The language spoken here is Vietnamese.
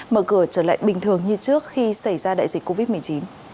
mở cửa trở lại bình thường như trước khi xảy ra đại dịch covid một mươi chín